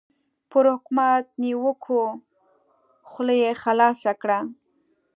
پر حکومت د نیوکو خوله یې خلاصه کړه.